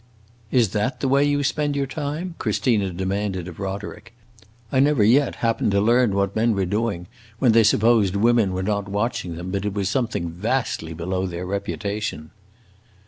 "Is that the way you spend your time?" Christina demanded of Roderick. "I never yet happened to learn what men were doing when they supposed women were not watching them but it was something vastly below their reputation."